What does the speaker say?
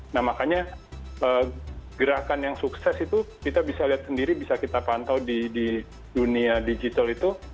nah makanya gerakan yang sukses itu kita bisa lihat sendiri bisa kita pantau di dunia digital itu